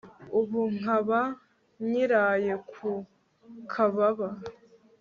ubu nkaba nyiraye ku kababa